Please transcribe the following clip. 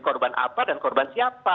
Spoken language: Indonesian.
korban apa dan korban siapa